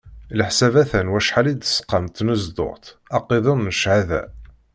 Leḥsab a-t-an wacḥal i d-tesqam tnezduɣt, aqiḍun n cchada.